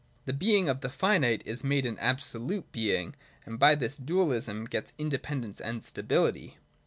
The being of the finite is made an absolute being, and by this dualism gets independence and stability.